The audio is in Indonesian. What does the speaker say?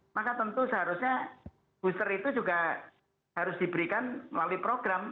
maka tentu seharusnya booster itu juga harus diberikan melalui program